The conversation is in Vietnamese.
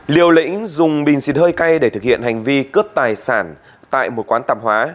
liều lĩnh dùng bình xịt hơi cay để thực hiện hành vi cướp tài sản tại một quán tạp hóa